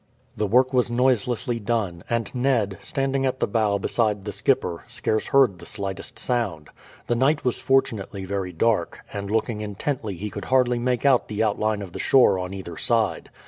The work was noiselessly done; and Ned, standing at the bow beside the skipper, scarce heard the slightest sound. The night was fortunately very dark, and looking intently he could hardly make out the outline of the shore on either side.